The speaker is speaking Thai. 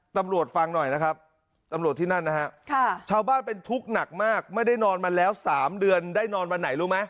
ตำรวจฟังหน่อยนะครับตำรวจที่นั่นนะฮะชาวบ้านเป็นทุกข์หนักมากไม่ได้นอนมาแล้ว๓เดือนได้นอนวันไหนรู้ไหม